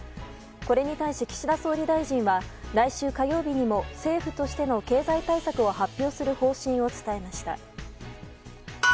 これに対し岸田総理大臣は来週火曜日にも政府としての経済対策を発表する方針を伝えました。